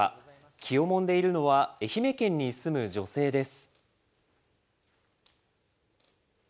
気をもんでいるのは、愛媛県に住む女性です。